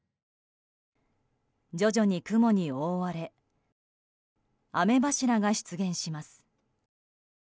徐々に雲に覆われ雨柱が出現します。